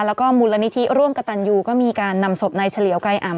แล้วก็มูลนิธิร่วมกตันยูก็มีการนำศพในเฉลียวก้ายอ่าม